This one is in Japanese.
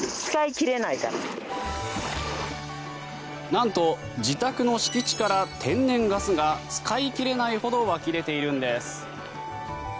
なんと自宅の敷地から天然ガスが使い切れないほど湧き出ているんです。